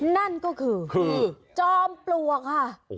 นั่นก็คือจอมปลวกค่ะ